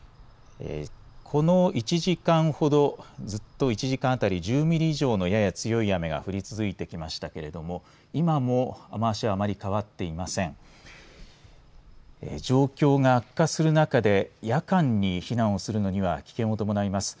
この１時間ほどずっと１時間あたり１０ミリ以上のやや強い雨が降り続いてきましたけれども今も雨足はあまり変わっていません。